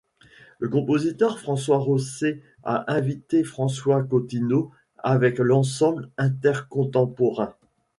Le compositeur François Rossé a invité François Cotinaud avec l'ensemble intercontemporain.